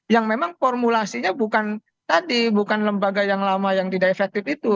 yang memang formulasinya bukan tadi bukan lembaga yang lama yang tidak efektif itu